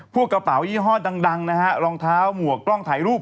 พวกกระเป๋ายี่ห้อดังนะฮะ